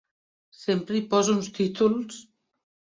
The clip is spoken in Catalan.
Sempre hi posa uns títols!